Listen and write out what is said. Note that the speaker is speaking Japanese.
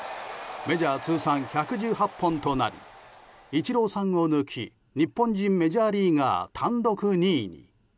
メジャー通算１１８本となりイチローさんを抜き日本人メジャーリーガー単独２位に。